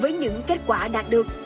với những kết quả đạt được